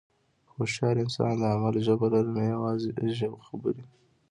هوښیار انسان د عمل ژبه لري، نه یوازې خبرې.